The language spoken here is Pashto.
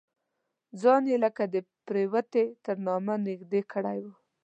ځان یې لکه د پروتې تر نامه نږدې کړی و.